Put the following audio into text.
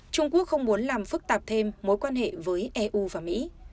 trung quốc không muốn làm phức tạp thêm mối quan hệ với eu và mỹ